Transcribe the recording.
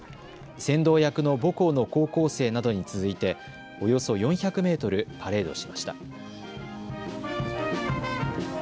先導役の母校の高校生などに続いておよそ４００メートルパレードしました。